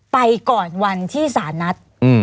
ไปก่อนวันที่สารนัด